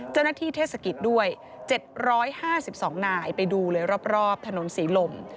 เจ้าหน้าที่เทศกิตด้วย๗๕๒หน่ายไปดูเลยรอบถนนศรีลม